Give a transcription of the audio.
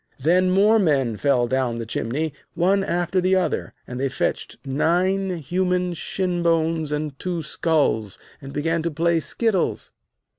Then more men fell down the chimney, one after the other, and they fetched nine human shin bones and two skulls, and began to play skittles.